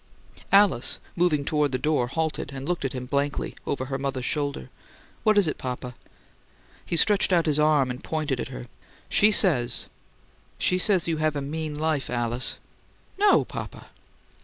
Alice, moving toward the door, halted, and looked at him blankly, over her mother's shoulder. "What is it, papa?" He stretched out his arm and pointed at her. "She says she says you have a mean life, Alice." "No, papa."